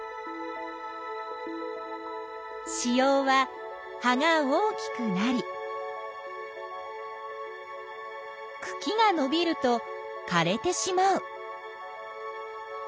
子葉は葉が大きくなりくきがのびるとかれてしまう。